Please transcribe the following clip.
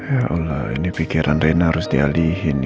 ya allah ini pikiran rena harus dialihin